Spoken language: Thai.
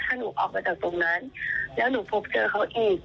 ถ้าหนูออกมาจากตรงนั้นแล้วหนูพบเจอเขาเอง